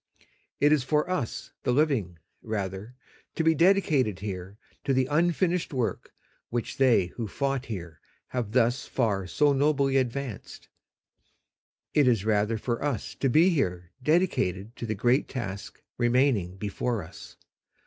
It is for us the living, rather, to be dedicated here to the unfinished work which they who fought here have thus far so nobly advanced. It is rather for us to be here dedicated to the great task remaining before us.